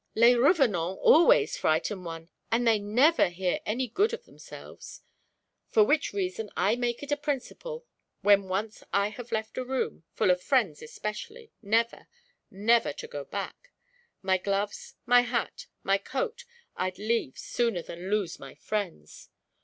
"Les revenans always frighten one; and they never hear any good of themselves, for which reason I make it a principle, when once I have left a room, full of friends especially, never never to go back. My gloves, my hat, my coat, I'd leave, sooner than lose my friends.